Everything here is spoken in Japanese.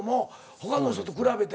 他の人と比べて。